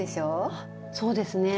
あそうですね。